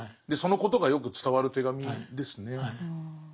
でそのことがよく伝わる手紙ですね。